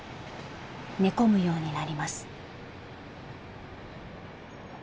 寝込むようになります。